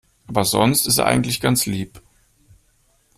Aber sonst ist er eigentlich ganz lieb.